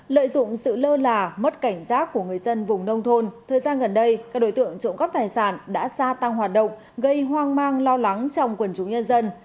lợi dụng sự lơ là mất cảnh giác của người dân vùng nông thôn thời gian gần đây các đối tượng trộm cắp tài sản đã gia tăng hoạt động gây hoang mang lo lắng trong quần chúng nhân dân